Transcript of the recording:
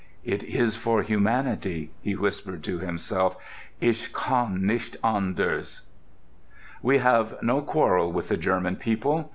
"It is for humanity," he whispered to himself. "Ich kann nicht anders...." "We have no quarrel with the German people.